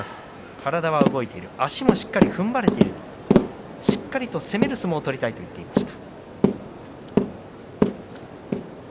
体は動いている足もしっかりふんばれているしっかり攻める相撲を取りたいと言っています。